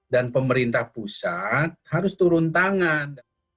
dan pemerintah pusat harus turun tangan